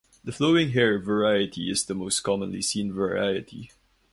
The flowing hair variety is the most commonly seen variety.